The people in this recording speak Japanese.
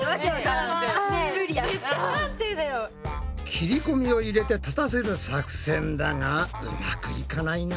切りこみを入れて立たせる作戦だがうまくいかないな。